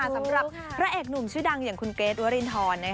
สำหรับพระเอกหนุ่มชื่อดังอย่างคุณเกรทวรินทร